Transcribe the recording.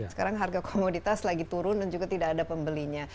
sekarang harga komoditas lagi turun dan juga tidak ada pembelinya